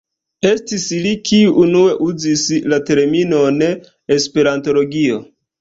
Estis li, kiu unue uzis la terminon "esperantologio".